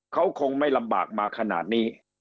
เขาคงไม่ลำบากมาขนาดนี้